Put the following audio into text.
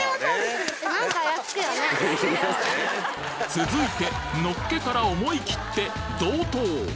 続いてのっけから思いきって道東